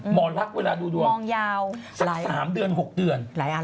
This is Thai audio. หมอลักษณ์เวลาดูดวงมองยาวสัก๓เดือน๖เดือน